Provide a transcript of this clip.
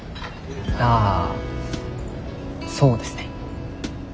あそうですね。